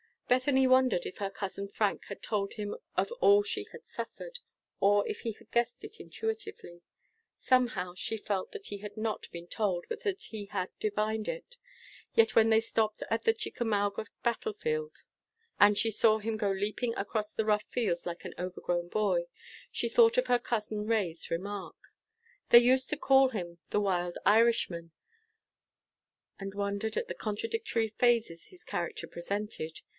Bethany wondered if her cousin Frank had told him of all she had suffered, or if he had guessed it intuitively. Somehow she felt that he had not been told, but that he had divined it. Yet when they stopped on the Chickamauga battle field, and she saw him go leaping across the rough fields like an overgrown boy, she thought of her cousin Ray's remark, "They used to call him the wild Irishman," and wondered at the contradictory phases his character presented.